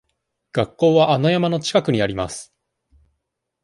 学校はあの山の近くにあります。